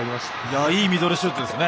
いいミドルシュートですね。